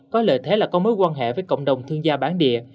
có lợi thế là có mối quan hệ với cộng đồng thương gia bán địa